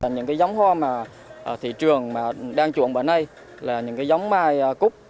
những cái giống hoa mà thị trường đang chuộng bởi nay là những cái giống mai cúc